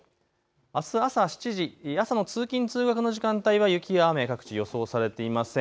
あす朝７時、朝の通勤通学の時間帯は雪や雨、各地、予想されていません。